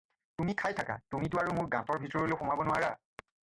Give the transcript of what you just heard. তুমি খাই থাকা, তুমিতো আৰু মোৰ গাঁতৰ ভিতৰলৈ সোমাব নোৱাৰা।